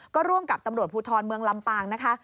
ก็ร่วมกับตำรวจภูทรเมืองลำปางนะคะ